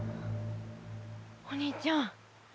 お兄ちゃん。